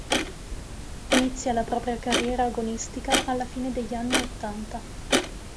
Inizia la propria carriera agonistica alla fine degli anni ottanta.